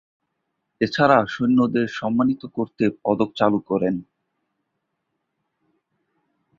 এছাড়া সৈন্যদের সম্মানিত করতে পদক চালু করেন।